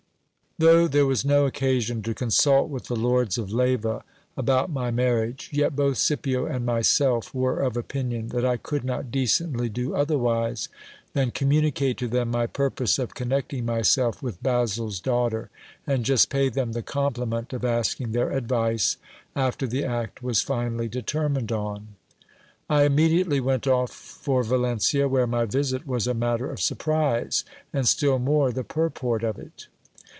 Though there was no occasion to consult with the lords of Leyva about my marriage, yet both Scipio and myself were of opinion that I could not decently do otherwise than communicate to them my purpose of connecting myself with Basil's daughter, and just pay them the compliment of asking their advice, after the act was finally determined on. ?6o GIL BLAS. I immediately went off for Valencia, where my visit was a matter of surprise, and still more the purport of it.